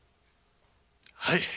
はい！